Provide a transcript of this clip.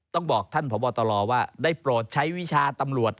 ต้องบอกท่านพบตรว่าได้โปรดใช้วิชาตำรวจ